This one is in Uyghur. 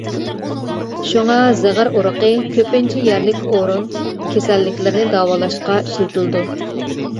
شۇڭا زىغىر ئۇرۇقى كۆپىنچە يەرلىك ئورۇن كېسەللىكلىرىنى داۋالاشقا ئىشلىتىلىدۇ.